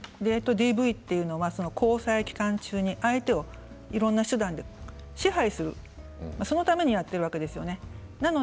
ＤＶは交際期間中に相手をいろんな手段で支配するためにやっているわけですね。